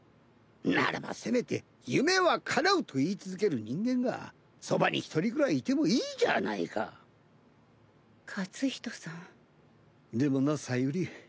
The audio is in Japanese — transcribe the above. ならばせめて「夢はかなう」と言い続ける人間がそばに一人ぐらいいてもいいじゃないか勝人さんでもな小百合